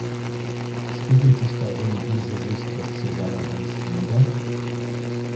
Spiegelt sich darin diese Sicht des Zusammenhangs wider?